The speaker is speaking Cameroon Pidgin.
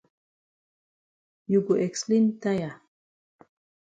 You go explain tire.